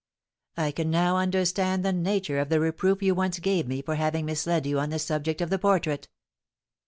"I can now understand the nature of the reproof you once gave me for having misled you on the subject of the portrait."